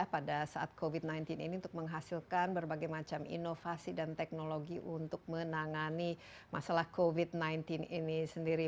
pada saat covid sembilan belas ini untuk menghasilkan berbagai macam inovasi dan teknologi untuk menangani masalah covid sembilan belas ini sendiri